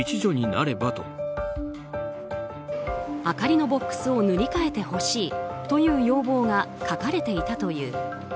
あかりのボックスを塗り替えてほしいという要望が書かれていたという。